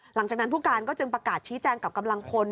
หลังจากนั้นผู้การก็จึงประกาศชี้แจงกับกำลังพล